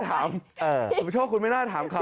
ท่านผู้ชมคุณไม่น่าถามเขา